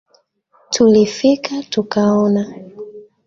Tulifika, tukaona,